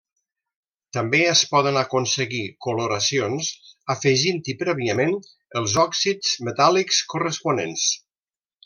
També es poden aconseguir coloracions afegint-hi prèviament els òxids metàl·lics corresponents.